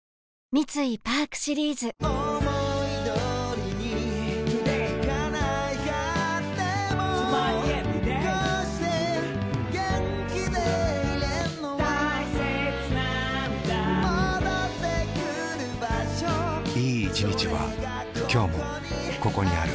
三井パークシリーズいい一日はきょうもここにある